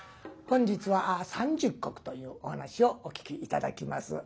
本日は「三十石」というお噺をお聴き頂きます。